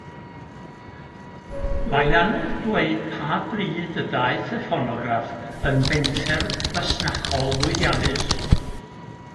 Mae'n anodd dweud pa bryd y daeth y ffonograff yn fenter fasnachol lwyddiannus.